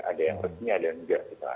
ada yang resmi ada yang nggak gitu